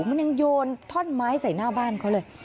มันยังโยนท่อนไม้ใส่หน้าบ้านเขาเลย